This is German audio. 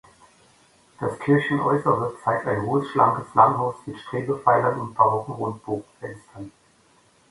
Das Kirchenäußere zeigt ein hohes schlankes Langhaus mit Strebepfeilern und barocken Rundbogenfenstern.